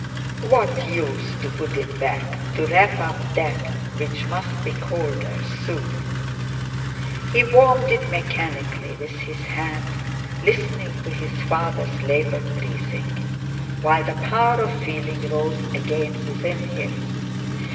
What use to put it back, to wrap up that which must be colder soon! He warmed it mechanically with his hand, listening to his father's laboured breathing; while the power of feeling rose again within him.